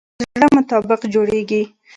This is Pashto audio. کور د خپل زړه مطابق جوړېږي.